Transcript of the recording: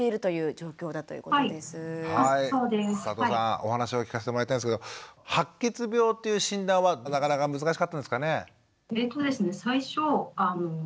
お話を聞かしてもらいたいんですけど白血病という診断はなかなか難しかったんですかね？